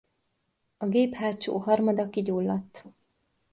A gép hátsó harmada kigyulladt.